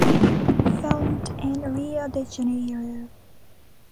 Filmed in Rio De Janeiro.